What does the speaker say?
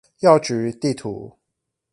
藥局地圖